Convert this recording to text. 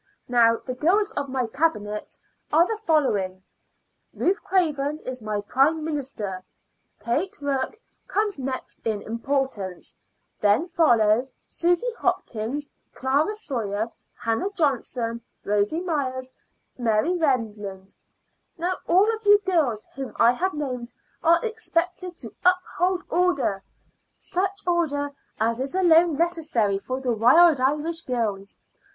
Now the girls of my Cabinet are the following: Ruth Craven is my Prime Minister; Kate Rourke comes next in importance; then follow Susy Hopkins, Clara Sawyer, Hannah Johnson, Rosy Myers, and Mary Rand. Now all of you girls whom I have named are expected to uphold order such order as is alone necessary for the Wild Irish Girls.